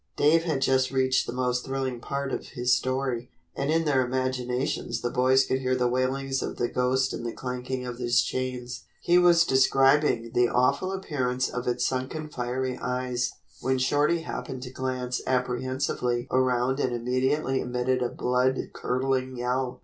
Dave had just reached the most thrilling part of his story, and in their imaginations the boys could hear the wailings of the ghost and the clanking of his chains. He was describing the awful appearance of its sunken fiery eyes, when Shorty happened to glance apprehensively around and immediately emitted a blood curdling yell.